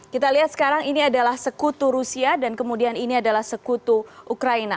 kita lihat sekarang ini adalah sekutu rusia dan kemudian ini adalah sekutu ukraina